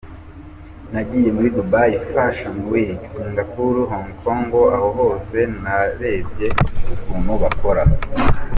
Nagiye muri Dubai Fashion Week, Singapore, Hong Kong, aho hose narebye ukuntu bakora.